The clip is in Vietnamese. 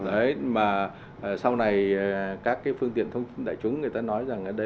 đấy mà sau này các cái phương tiện đại chúng người ta nói rằng